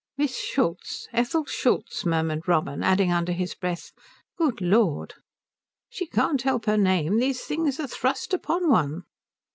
"Miss Schultz Ethel Schultz," murmured Robin; adding under his breath, "Good Lord." "She can't help her name. These things are thrust upon one."